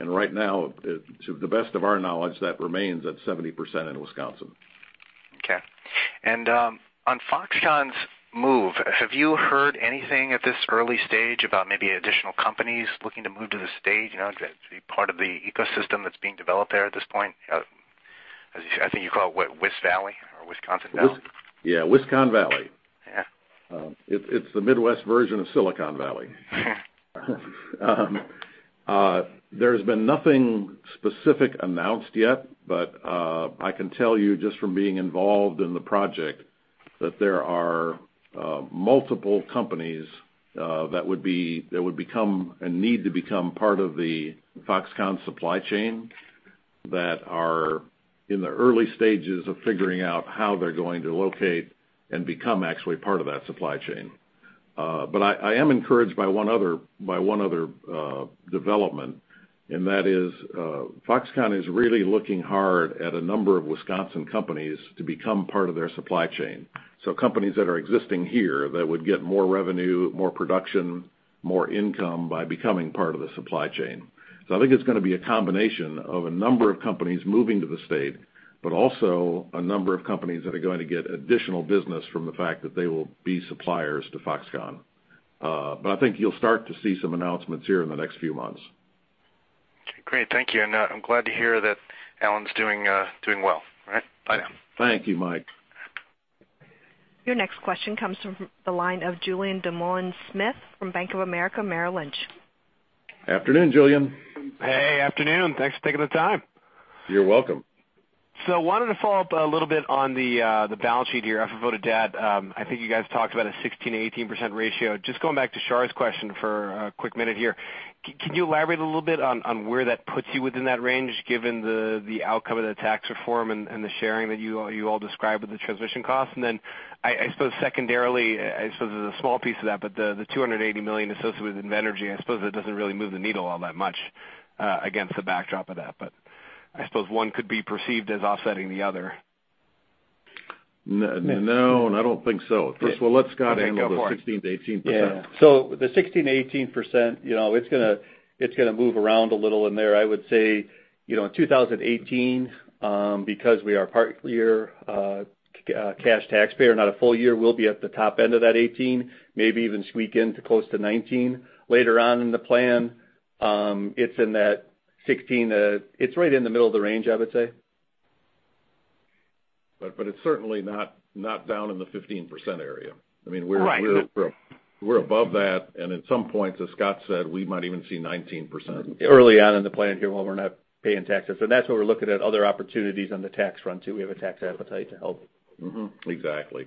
Yeah. Right now, to the best of our knowledge, that remains at 70% in Wisconsin. Okay. On Foxconn's move, have you heard anything at this early stage about maybe additional companies looking to move to the state to be part of the ecosystem that's being developed there at this point? I think you call it Wis Valley or Wisconsin Valley. Yeah. Wisconn Valley. Yeah. It's the Midwest version of Silicon Valley. There's been nothing specific announced yet, but I can tell you just from being involved in the project that there are multiple companies that would become and need to become part of the Foxconn supply chain that are in the early stages of figuring out how they're going to locate and become actually part of that supply chain. I am encouraged by one other development, and that is Foxconn is really looking hard at a number of Wisconsin companies to become part of their supply chain. Companies that are existing here that would get more revenue, more production, more income by becoming part of the supply chain. I think it's going to be a combination of a number of companies moving to the state, but also a number of companies that are going to get additional business from the fact that they will be suppliers to Foxconn. I think you'll start to see some announcements here in the next few months. Great. Thank you. I'm glad to hear that Allen's doing well. All right. Bye now. Thank you, Mike. Your next question comes from the line of Julien Dumoulin-Smith from Bank of America Merrill Lynch. Afternoon, Julien. Hey. Afternoon. Thanks for taking the time. You're welcome. Wanted to follow up a little bit on the balance sheet here, FFO to debt. I think you guys talked about a 16%-18% ratio. Just going back to Shar's question for a quick minute here. Can you elaborate a little bit on where that puts you within that range, given the outcome of the tax reform and the sharing that you all described with the transmission cost? I suppose secondarily, I suppose as a small piece of that, but the $280 million associated with Invenergy, I suppose it doesn't really move the needle all that much, against the backdrop of that. I suppose one could be perceived as offsetting the other. No, I don't think so. First of all, let Scott handle- Okay. Go for it. the 16%-18%. Yeah. The 16%-18%, it's going to move around a little in there. I would say, in 2018, because we are part year cash taxpayer, not a full year, we'll be at the top end of that 18, maybe even squeak in to close to 19. Later on in the plan, it's right in the middle of the range, I would say. It's certainly not down in the 15% area. Right. We're above that, and at some point, as Scott said, we might even see 19%. Early on in the plan here when we're not paying taxes. That's where we're looking at other opportunities on the tax front, too. We have a tax appetite to help. Exactly.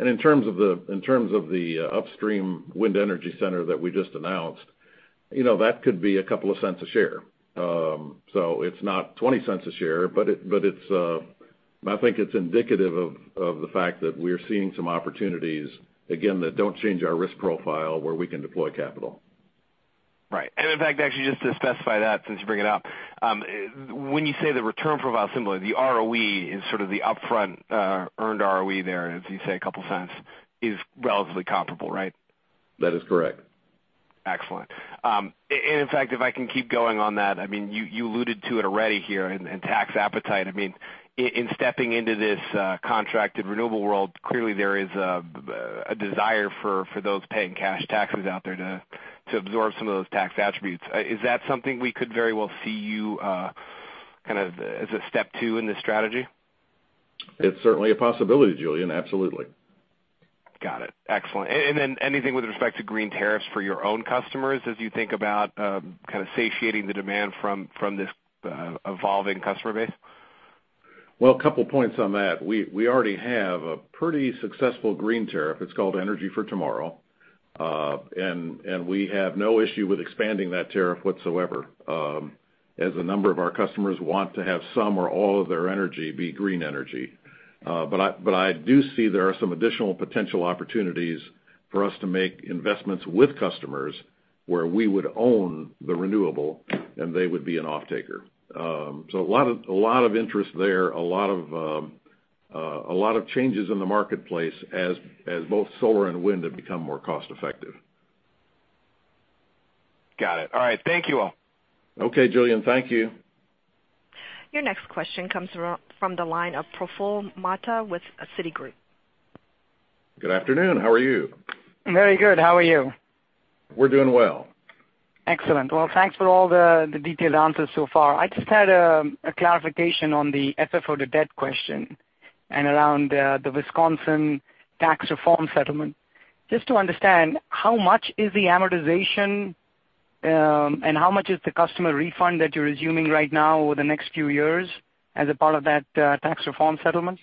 In terms of the Upstream Wind Energy Center that we just announced, that could be a couple of cents a share. It's not $0.20 a share, but I think it's indicative of the fact that we're seeing some opportunities, again, that don't change our risk profile, where we can deploy capital. Right. In fact, actually, just to specify that since you bring it up. When you say the return profile, the ROE is sort of the upfront earned ROE there, as you say, $0.02, is relatively comparable, right? That is correct. Excellent. In fact, if I can keep going on that. You alluded to it already here, and tax appetite. In stepping into this contracted renewable world, clearly there is a desire for those paying cash taxes out there to absorb some of those tax attributes. Is that something we could very well see you as a step 2 in this strategy? It's certainly a possibility, Julien. Absolutely. Got it. Excellent. Then anything with respect to green tariffs for your own customers as you think about kind of satiating the demand from this evolving customer base? Well, a couple points on that. We already have a pretty successful green tariff. It's called Energy for Tomorrow. We have no issue with expanding that tariff whatsoever, as a number of our customers want to have some or all of their energy be green energy. I do see there are some additional potential opportunities for us to make investments with customers where we would own the renewable and they would be an offtaker. A lot of interest there, a lot of changes in the marketplace as both solar and wind have become more cost-effective. Got it. All right. Thank you all. Okay, Julien. Thank you. Your next question comes from the line of Praful Mehta with Citigroup. Good afternoon. How are you? Very good. How are you? We're doing well. Excellent. Thanks for all the detailed answers so far. I just had a clarification on the FFO to debt question and around the Wisconsin tax reform settlement. Just to understand, how much is the amortization, and how much is the customer refund that you're resuming right now over the next few years as a part of that tax reform settlement?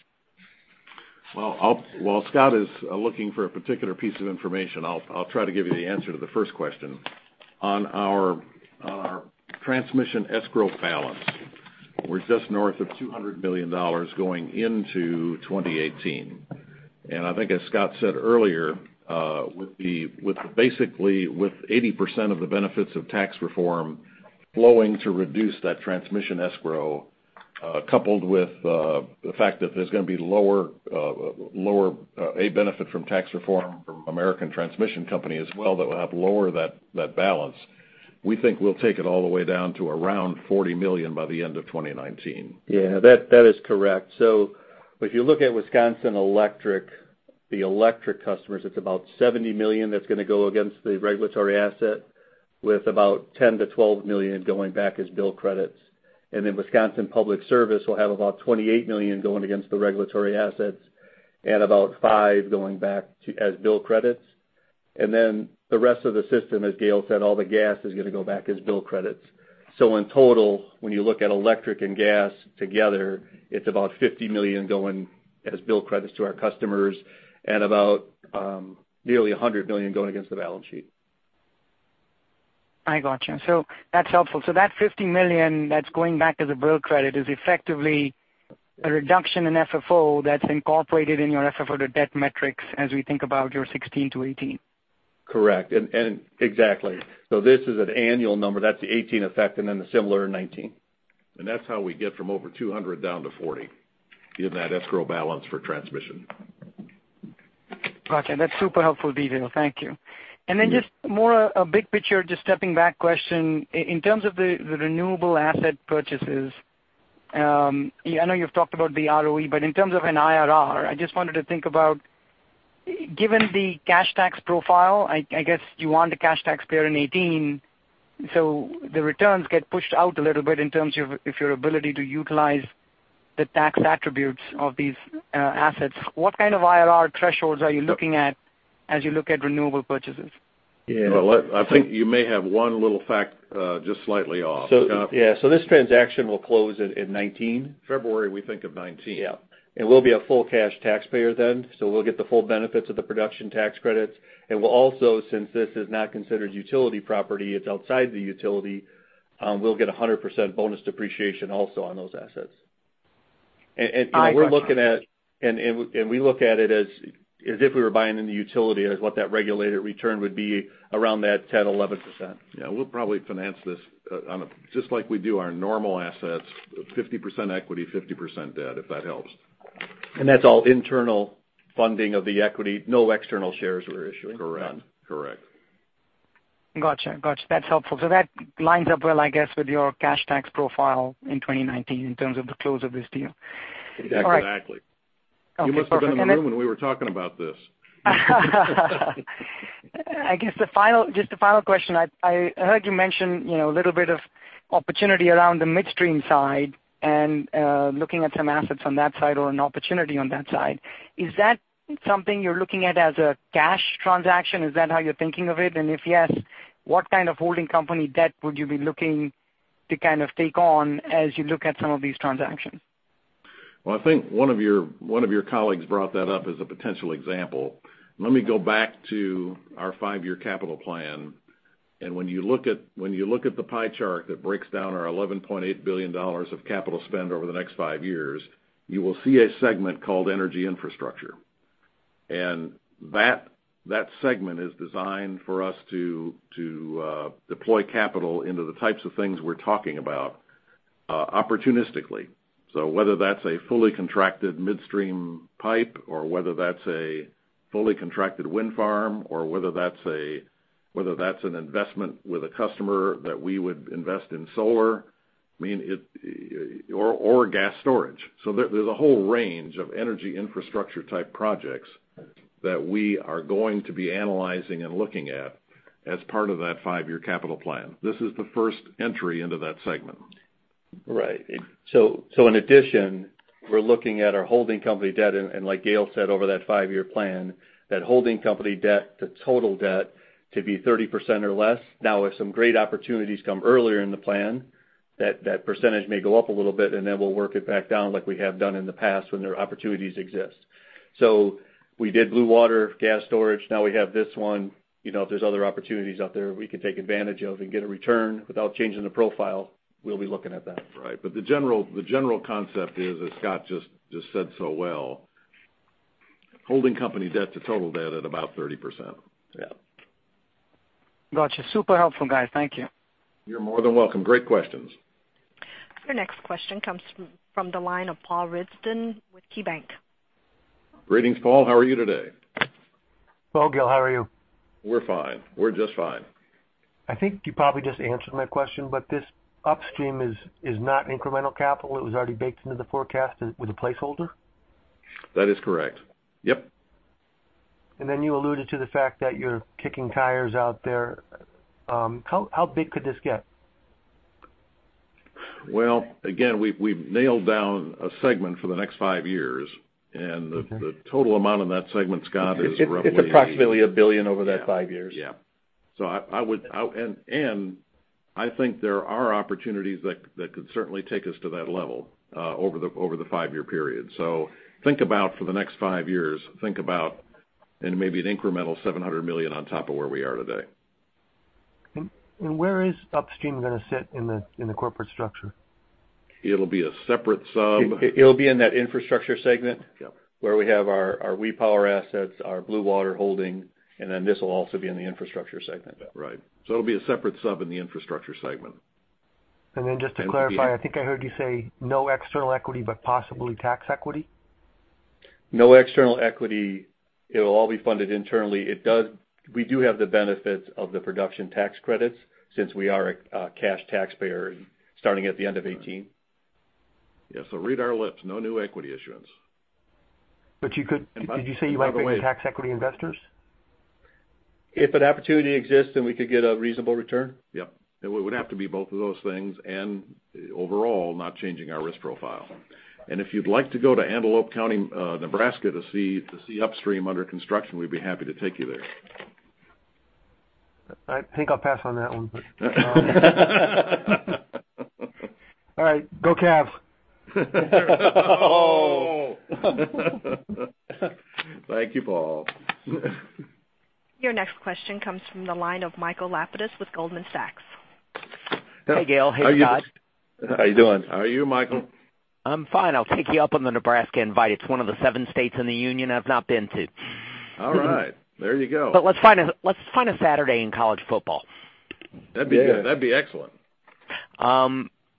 While Scott is looking for a particular piece of information, I'll try to give you the answer to the first question. On our transmission escrow balance, we're just north of $200 million going into 2018. I think as Scott said earlier, basically with 80% of the benefits of tax reform flowing to reduce that transmission escrow, coupled with the fact that there's going to be a benefit from tax reform from American Transmission Company as well that will help lower that balance. We think we'll take it all the way down to around $40 million by the end of 2019. That is correct. If you look at Wisconsin Electric, the electric customers, it's about $70 million that's going to go against the regulatory asset with about $10 million-$12 million going back as bill credits. Wisconsin Public Service will have about $28 million going against the regulatory assets and about five going back as bill credits. The rest of the system, as Gale said, all the gas is going to go back as bill credits. In total, when you look at electric and gas together, it's about $50 million going as bill credits to our customers and about nearly $100 million going against the balance sheet. I got you. That's helpful. That $50 million that's going back as a bill credit is effectively a reduction in FFO that's incorporated in your FFO to debt metrics as we think about your 2016-2018. Correct. Exactly. This is an annual number. That's the 2018 effect and then the similar in 2019. That's how we get from over $200 down to $40 in that escrow balance for transmission. Okay. That's super helpful detail. Thank you. Just more a big picture, just stepping back question. In terms of the renewable asset purchases, I know you've talked about the ROE, but in terms of an IRR, I just wanted to think about Given the cash tax profile, I guess you want a cash taxpayer in 2018, so the returns get pushed out a little bit in terms of your ability to utilize the tax attributes of these assets. What kind of IRR thresholds are you looking at as you look at renewable purchases? Yeah. Well, I think you may have one little fact just slightly off. Scott? This transaction will close in 2019. February, we think, of 2019. We'll be a full cash taxpayer then, so we'll get the full benefits of the production tax credits. We'll also, since this is not considered utility property, it's outside the utility, we'll get 100% bonus depreciation also on those assets. We look at it as if we were buying in the utility as what that regulated return would be around that 10%-11%. We'll probably finance this on a, just like we do our normal assets, 50% equity, 50% debt, if that helps. That's all internal funding of the equity. No external shares we're issuing. Correct. Got you. That's helpful. That lines up well, I guess, with your cash tax profile in 2019 in terms of the close of this deal. Exactly. All right. Okay, perfect. You must have been in the room when we were talking about this. I guess just a final question. I heard you mention a little bit of opportunity around the midstream side and looking at some assets on that side or an opportunity on that side. Is that something you're looking at as a cash transaction? Is that how you're thinking of it? If yes, what kind of holding company debt would you be looking to take on as you look at some of these transactions? Well, I think one of your colleagues brought that up as a potential example. Let me go back to our five-year capital plan. When you look at the pie chart that breaks down our $11.8 billion of capital spend over the next five years, you will see a segment called energy infrastructure. That segment is designed for us to deploy capital into the types of things we're talking about opportunistically. Whether that's a fully contracted midstream pipe or whether that's a fully contracted wind farm or whether that's an investment with a customer that we would invest in solar or gas storage. There's a whole range of energy infrastructure type projects that we are going to be analyzing and looking at as part of that five-year capital plan. This is the first entry into that segment. In addition, we're looking at our holding company debt. Like Gale said over that five-year plan, that holding company debt to total debt to be 30% or less. If some great opportunities come earlier in the plan, that percentage may go up a little bit, and then we'll work it back down like we have done in the past when their opportunities exist. We did Bluewater Gas Storage. We have this one. If there's other opportunities out there we can take advantage of and get a return without changing the profile, we'll be looking at that. Right. The general concept is, as Scott just said so well, holding company debt to total debt at about 30%. Yeah. Got you. Super helpful, guys. Thank you. You're more than welcome. Great questions. Your next question comes from the line of Paul Ridzon with KeyBank. Greetings, Paul. How are you today? Gale, how are you? We're fine. We're just fine. I think you probably just answered my question, but this Upstream is not incremental capital. It was already baked into the forecast with a placeholder? That is correct. Yep. You alluded to the fact that you're kicking tires out there. How big could this get? Well, again, we've nailed down a segment for the next five years. Okay. The total amount in that segment, Scott, is roughly? It's approximately $1 billion over that 5 years. Yeah. I think there are opportunities that could certainly take us to that level over the 5-year period. Think about for the next 5 years, think about maybe an incremental $700 million on top of where we are today. Where is Upstream going to sit in the corporate structure? It'll be a separate sub. It'll be in that infrastructure segment. Yep. Where we have our We Power assets, our Bluewater holding, and then this will also be in the infrastructure segment. Right. It'll be a separate sub in the infrastructure segment. Just to clarify, I think I heard you say no external equity, possibly tax equity? No external equity. It'll all be funded internally. We do have the benefits of the production tax credits since we are a cash taxpayer starting at the end of 2018. Yeah. Read our lips. No new equity issuance. Did you say you might bring in tax equity investors? If an opportunity exists, and we could get a reasonable return. Yep. It would have to be both of those things and overall not changing our risk profile. If you'd like to go to Antelope County, Nebraska to see Upstream under construction, we'd be happy to take you there. I think I'll pass on that one, but all right, go Cavs. Oh. Thank you, Paul. Your next question comes from the line of Michael Lapides with Goldman Sachs. Hey, Gale. Hey, Scott. How are you doing? How are you, Michael? I'm fine. I'll take you up on the Nebraska invite. It's one of the seven states in the union I've not been to. All right. There you go. Let's find a Saturday in college football. That'd be good. That'd be excellent.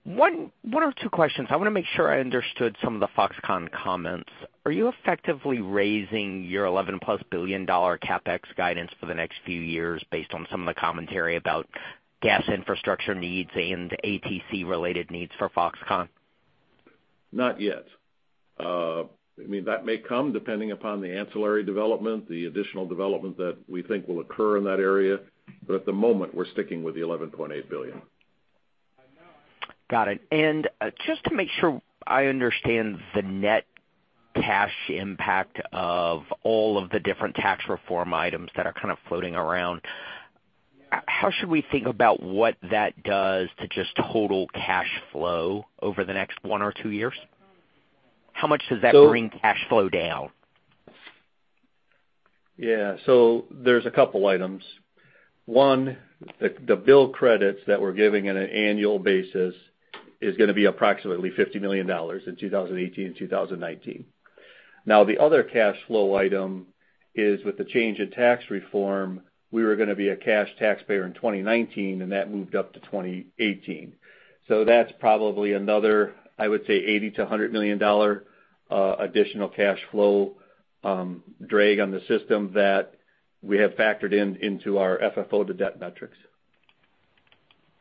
One or two questions. I want to make sure I understood some of the Foxconn comments. Are you effectively raising your $11-plus billion CapEx guidance for the next few years based on some of the commentary about gas infrastructure needs and ATC-related needs for Foxconn? Not yet. That may come depending upon the ancillary development, the additional development that we think will occur in that area. At the moment, we're sticking with the $11.8 billion. Got it. Just to make sure I understand the net cash impact of all of the different tax reform items that are kind of floating around, how should we think about what that does to just total cash flow over the next one or two years? How much does that bring cash flow down? Yeah. There's a couple items. One, the bill credits that we're giving on an annual basis is going to be approximately $50 million in 2018 and 2019. The other cash flow item is with the change in tax reform, we were going to be a cash taxpayer in 2019, and that moved up to 2018. That's probably another, I would say, $80 million-$100 million additional cash flow drag on the system that we have factored into our FFO to debt metrics.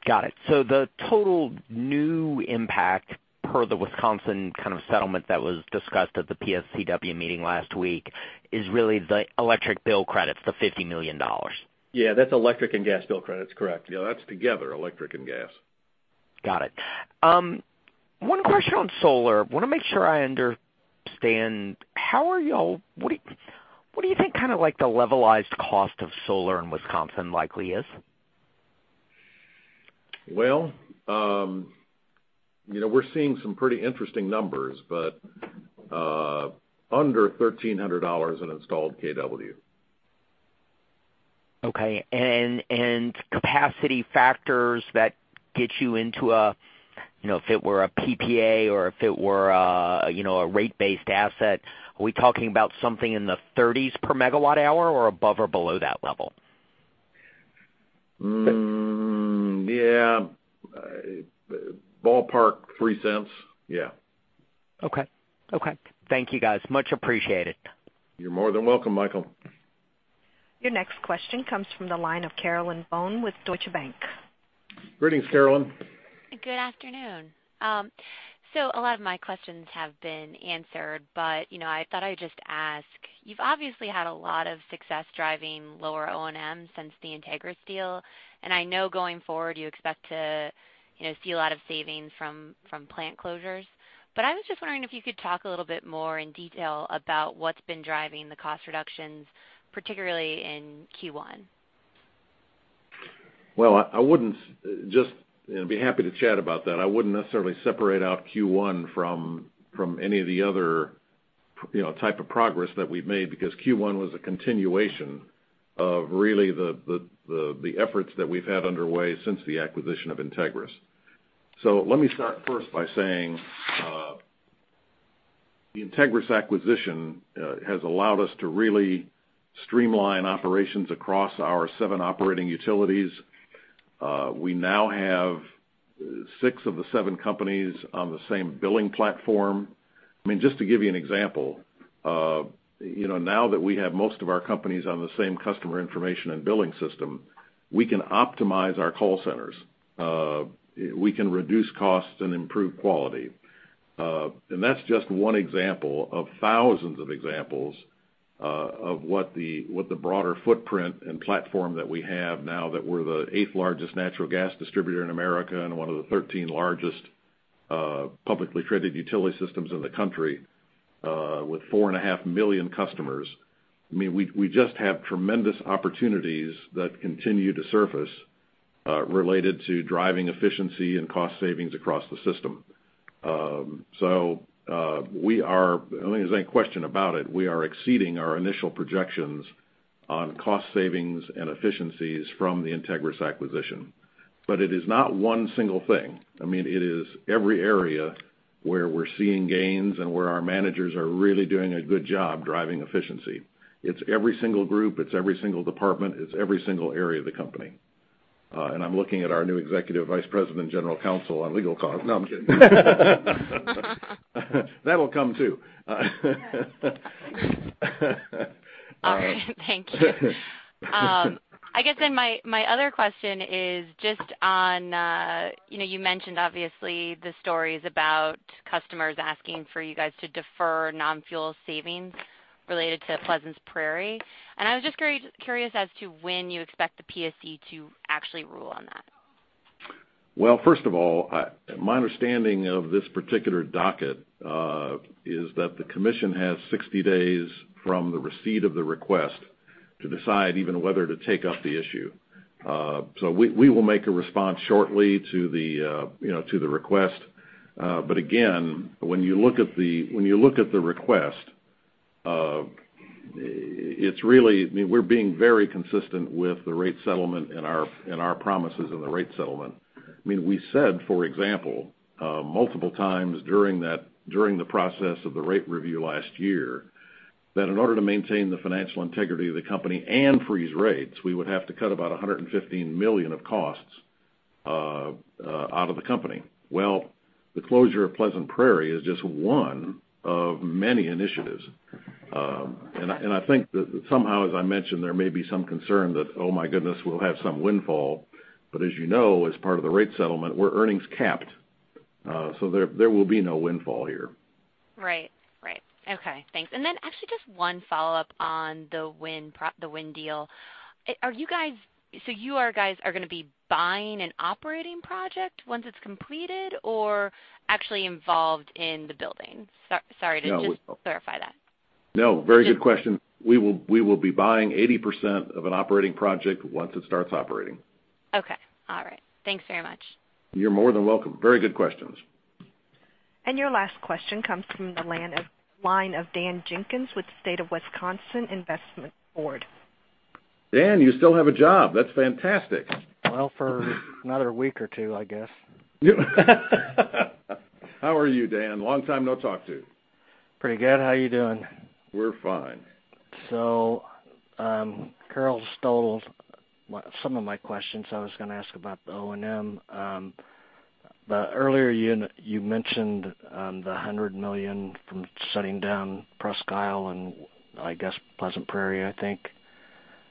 Got it. The total new impact per the Wisconsin kind of settlement that was discussed at the PSCW meeting last week is really the electric bill credits, the $50 million. Yeah, that's electric and gas bill credits. Correct. Yeah, that's together, electric and gas. Got it. One question on solar. Want to make sure I understand, what do you think kind of like the levelized cost of solar in Wisconsin likely is? Well, we're seeing some pretty interesting numbers, but under $1,300 an installed kW. Okay, capacity factors that get you into a PPA or if it were a rate-based asset, are we talking about something in the 30s per MWh or above or below that level? Yeah. Ballpark, $0.03. Yeah. Okay. Thank you, guys. Much appreciated. You're more than welcome, Michael. Your next question comes from the line of Caroline Bone with Deutsche Bank. Greetings, Caroline. Good afternoon. A lot of my questions have been answered, but I thought I'd just ask. You've obviously had a lot of success driving lower O&M since the Integrys deal, and I know going forward, you expect to see a lot of savings from plant closures. I was just wondering if you could talk a little bit more in detail about what's been driving the cost reductions, particularly in Q1. Well, I'd be happy to chat about that. I wouldn't necessarily separate out Q1 from any of the other type of progress that we've made because Q1 was a continuation of really the efforts that we've had underway since the acquisition of Integrys. Let me start first by saying the Integrys acquisition has allowed us to really streamline operations across our seven operating utilities. We now have six of the seven companies on the same billing platform. Just to give you an example, now that we have most of our companies on the same customer information and billing system, we can optimize our call centers. We can reduce costs and improve quality. That's just one example of thousands of examples of what the broader footprint and platform that we have now that we're the eighth-largest natural gas distributor in America and one of the 13 largest publicly traded utility systems in the country with four and a half million customers. We just have tremendous opportunities that continue to surface related to driving efficiency and cost savings across the system. There's no question about it, we are exceeding our initial projections on cost savings and efficiencies from the Integrys acquisition. It is not one single thing. It is every area where we're seeing gains and where our managers are really doing a good job driving efficiency. It's every single group, it's every single department, it's every single area of the company. I'm looking at our new Executive Vice President, General Counsel on legal costs. No, I'm kidding. That will come, too. All right. Thank you. I guess my other question is just on-- You mentioned, obviously, the stories about customers asking for you guys to defer non-fuel savings related to Pleasant Prairie, and I was just curious as to when you expect the PSC to actually rule on that. First of all, my understanding of this particular docket is that the commission has 60 days from the receipt of the request to decide even whether to take up the issue. We will make a response shortly to the request. Again, when you look at the request, we're being very consistent with the rate settlement and our promises in the rate settlement. We said, for example, multiple times during the process of the rate review last year, that in order to maintain the financial integrity of the company and freeze rates, we would have to cut about $115 million of costs out of the company. The closure of Pleasant Prairie is just one of many initiatives. I think that somehow, as I mentioned, there may be some concern that, oh my goodness, we'll have some windfall. As you know, as part of the rate settlement, we're earnings capped. There will be no windfall here. Right. Okay, thanks. Actually, just one follow-up on the wind deal. You guys are going to be buying an operating project once it's completed or actually involved in the building? Sorry to just clarify that. No, very good question. We will be buying 80% of an operating project once it starts operating. Okay. All right. Thanks very much. You're more than welcome. Very good questions. Your last question comes from the line of Dan Jenkins with State of Wisconsin Investment Board. Dan, you still have a job. That's fantastic. Well, for another week or two, I guess. How are you, Dan? Long time no talk to. Pretty good. How are you doing? We're fine. Carol stole some of my questions. I was going to ask about the O&M. Earlier, you mentioned the $100 million from shutting down Presque Isle and I guess Pleasant Prairie, I think.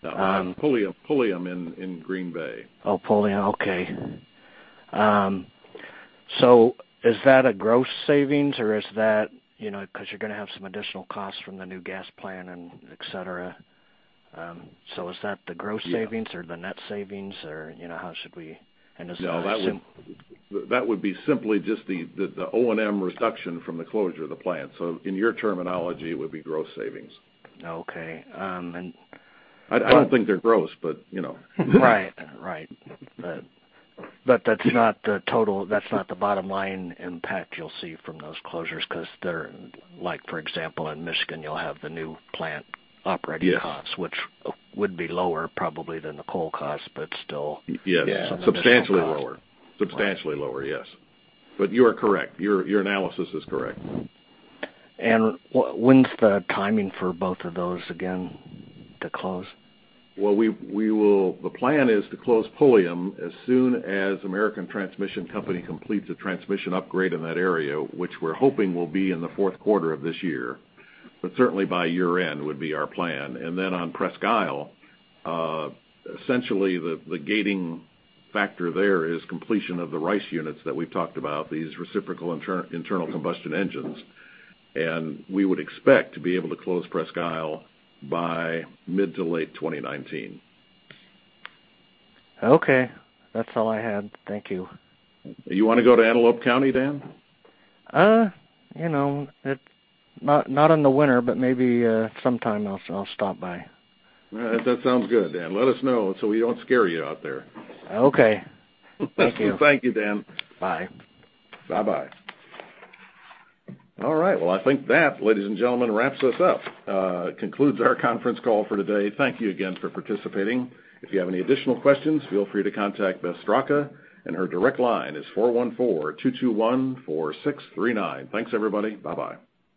Pulliam in Green Bay. Oh, Pulliam. Okay. Is that a gross savings or is that, because you're going to have some additional costs from the new gas plant and et cetera. Is that the gross savings or the net savings or how should we? Is it. No, that would be simply just the O&M reduction from the closure of the plant. In your terminology, it would be gross savings. Okay. I don't think they're gross, but you know. Right. That's not the bottom-line impact you'll see from those closures because they're, like for example, in Michigan, you'll have the new plant operating costs- Yes. which would be lower probably than the coal costs, but still- Yes. Yeah. Substantially lower, yes. You are correct. Your analysis is correct. When's the timing for both of those again to close? The plan is to close Pulliam as soon as American Transmission Company completes a transmission upgrade in that area, which we're hoping will be in the fourth quarter of this year. Certainly by year-end would be our plan. On Presque Isle, essentially the gating factor there is completion of the RICE units that we've talked about, these reciprocal internal combustion engines. We would expect to be able to close Presque Isle by mid to late 2019. Okay. That's all I had. Thank you. You want to go to Antelope County, Dan? Not in the winter, maybe sometime I'll stop by. That sounds good, Dan. Let us know so we don't scare you out there. Okay. Thank you. Thank you, Dan. Bye. Bye-bye. All right. Well, I think that, ladies and gentlemen, wraps us up, concludes our conference call for today. Thank you again for participating. If you have any additional questions, feel free to contact Beth Straka, and her direct line is 414-221-4639. Thanks, everybody. Bye-bye